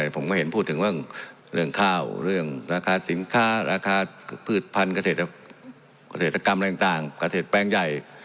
ผมก็เห็นพูดถึงเรื่องข้าวเรื่องราคาสินค้าราคาพืชพันธุ์เกษตรกรรมอะไรต่างเกษตรแปลงใหญ่